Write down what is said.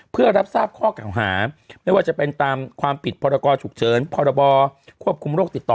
เพื่อรับทราบข้อเก่าหาไม่ว่าจะเป็นตามความผิดพรกรฉุกเฉินพรบควบคุมโรคติดต่อ